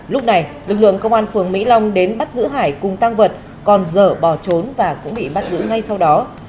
lúc này lực lượng công an phường mỹ long đến bắt giữ hải cùng tăng vật còn dở bỏ trốn và cũng bị bắt giữ ngay sau đó